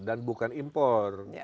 dan bukan impor